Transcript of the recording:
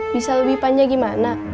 bisa lebih panjang gimana